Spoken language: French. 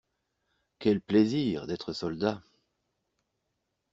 Quel plaisir d'être soldat!